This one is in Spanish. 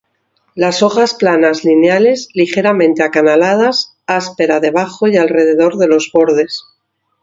Las hojas planas lineales, ligeramente acanaladas, áspera debajo y alrededor de los bordes.